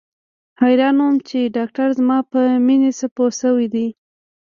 حيران وم چې ډاکتر زما په مينې څه پوه سوى دى.